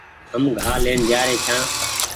هم گآ لين جآري ڇآن